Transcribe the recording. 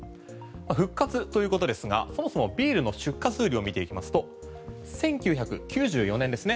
復活ということですがそもそもビールの出荷数量を見ていきますと１９９４年ですね。